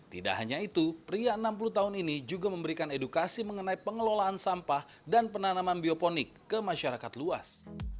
tidak hanya itu pria enam puluh tahun ini juga memberikan edukasi mengenai pengelolaan sampah dan penanaman bioponik ke masyarakat luas